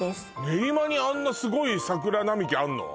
練馬にあんなすごい桜並木あんの？